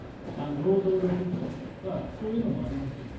労働力不足だとかそういうのもありますよと。